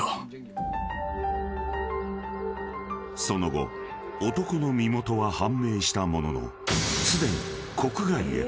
［その後男の身元は判明したもののすでに］